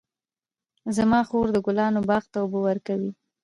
زما خور د ګلانو باغ ته اوبه ورکوي.